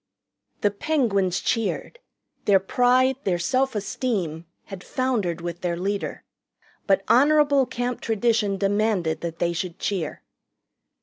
The Penguins cheered. Their pride, their self esteem, had foundered with their leader. But honorable Camp tradition demanded that they should cheer.